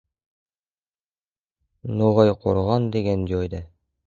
No‘g‘ayqo‘rg‘on degan joyda.